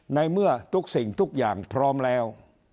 ในเมื่อทุกสิ่งทุกอย่างพร้อมแล้ว